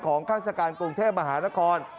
ข้าราชการกรุงเทพมหานคร